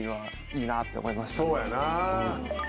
そうやな。